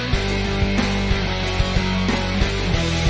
ก็ไม่น่าจะดังกึ่งนะ